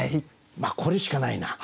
これしかないな。